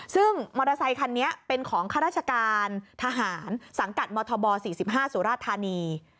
ซึ่งมอเตอร์ไซคันนี้เป็นของข้าราชการทหารสังกัดมธบ๔๕สุราธานี